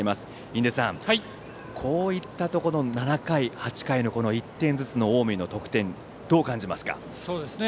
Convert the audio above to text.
印出さんこういったところの７回、８回の１点ずつの近江の得点、どう感じますか。